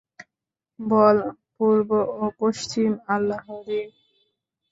বল, পূর্ব ও পশ্চিম আল্লাহরই।